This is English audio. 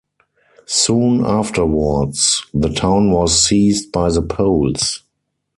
Soon afterwards, the town was seized by the Poles.